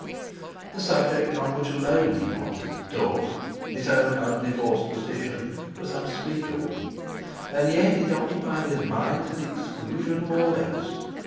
The subject on which alone he wanted to talk—his own undivorced position—was unspeakable. And yet it occupied his mind to the exclusion of all else.